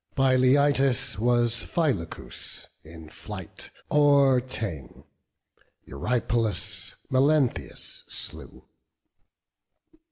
By Leitus was Phylacus in flight O'erta'en; Eurypylus Melanthius slew.